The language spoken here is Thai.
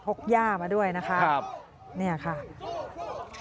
พกย่ามาด้วยนะครับเนี่ยค่ะพกย่ามาด้วยนะครับ